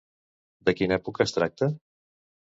De quina època es tracta?